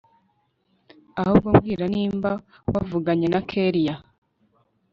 ahubwo mbwira nimba wavuganye na kellia